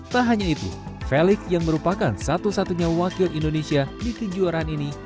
tak hanya itu felix yang merupakan satu satunya wakil indonesia di kejuaraan ini